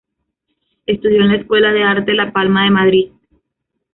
Estudió en la Escuela de Arte La Palma de Madrid.